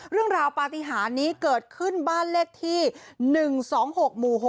เรื่องราวปฏิหารนี้เกิดขึ้นบ้านเลขที่๑๒๖หมู่๖